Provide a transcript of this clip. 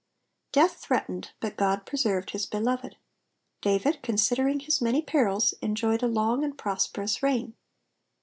^' Death threatened, but God preserved his beloved. David, considering his many perils, enjoyed a long and prosperous reign.